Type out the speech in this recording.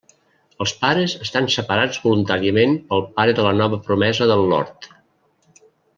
Els pares estan separats voluntàriament pel pare de la nova promesa del Lord.